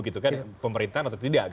gitu kan pemerintahan atau tidak